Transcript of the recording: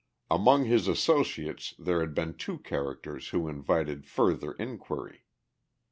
Among his associates there had been two characters who invited further inquiry.